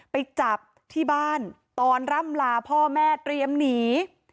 ไปจับที่บ้านตอนร่ำลาพ่อแม่เตรียมหนี